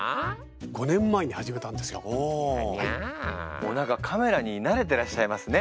もう何かカメラに慣れてらっしゃいますね。